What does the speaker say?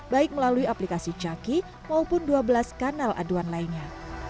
baik melalui aplikasi caki maupun dua belas kanal aduan lainnya